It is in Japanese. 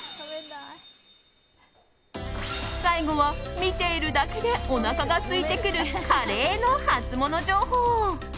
最後は、見ているだけでおなかがすいてくるカレーのハツモノ情報。